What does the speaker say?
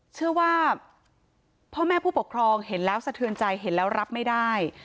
เชื่อว่าพ่อแม่ผู้ปกครองเห็นแล้วสะเทือนใจเห็นแล้วรับไม่ได้